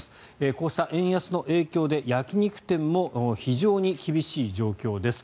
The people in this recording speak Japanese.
こうした円安の影響で焼き肉店も非常に厳しい状況です。